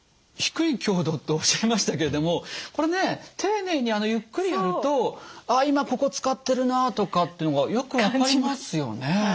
低い強度とおっしゃいましたけれどもこれね丁寧にゆっくりやると「あ今ここ使ってるな」とかっていうのがよく分かりますよね。